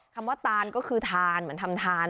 คำว่าตานก็คือทานเหมือนทำทาน